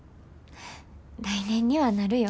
来年にはなるよ。